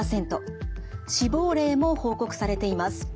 死亡例も報告されています。